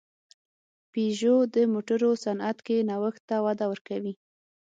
پيژو د موټرو صنعت کې نوښت ته وده ورکوي.